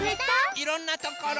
いろんなところ。